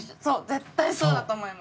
絶対そうだと思います。